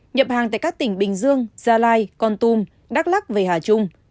nhập hàng tại các tỉnh bình dương gia lai con tum đắk lắc